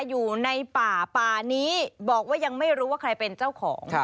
อยู่ในป่าป่านี้บอกว่ายังไม่รู้ว่าใครเป็นเจ้าของ